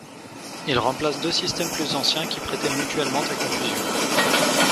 Il remplace deux systèmes plus anciens qui prêtaient mutuellement à confusion.